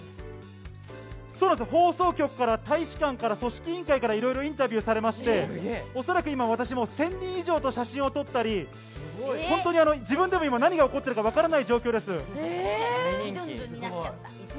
放送局から大使館から組織委員会からインタビューされて、おそらく今私も１０００人以上と写真を撮ったり、本当に自分でも何が起こっているか分からない状況です。